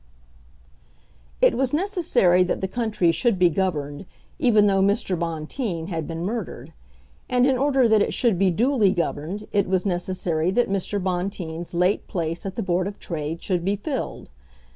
It was necessary that the country should be governed, even though Mr. Bonteen had been murdered; and in order that it should be duly governed it was necessary that Mr. Bonteen's late place at the Board of Trade should be filled.